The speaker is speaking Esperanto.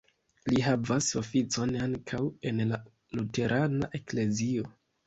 Li havas oficon ankaŭ en la luterana eklezio.